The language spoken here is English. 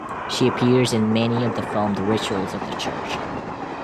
She appears in many of the filmed rituals of the Church.